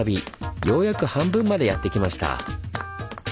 ようやく半分までやって来ました。